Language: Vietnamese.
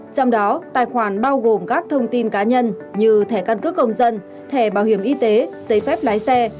trong đó tài khoản bao gồm các thông tin cá nhân như thẻ căn cước công dân thẻ bảo hiểm y tế giấy phép lái xe